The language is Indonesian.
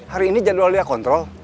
hari ini jadwal dia kontrol